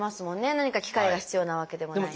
何か機械が必要なわけでもないし。